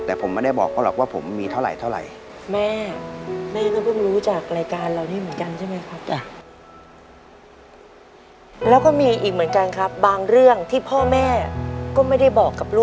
แต่ผมไม่ได้บอกเขาหรอกว่าผมมีเท่าไหร่เท่าไหร่